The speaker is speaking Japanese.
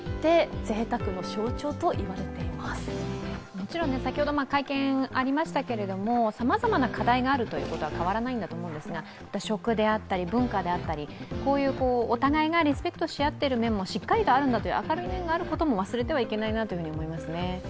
もちろん先ほど会見ありましたけどさまざまな課題があるということは変わらないんだと思いますが食であったり文化であったりお互いだリスペクトし合っている部分がしっかりとあるんだと、明るい面があるんだということも忘れてはならないんだと思いますね。